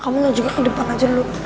kamu juga ke depan aja dulu